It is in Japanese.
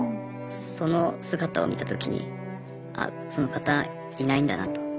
その姿を見た時にあっその方いないんだなと。